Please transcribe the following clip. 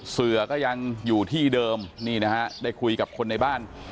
เสือก็ยังอยู่ที่เดิมนี่นะฮะได้คุยกับคนในบ้าน